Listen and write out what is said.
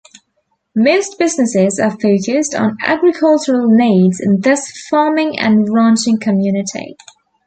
Most businesses are focused on agricultural needs in this farming and ranching community.